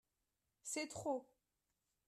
C’est trop.